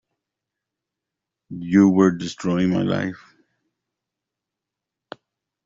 You were destroying my life.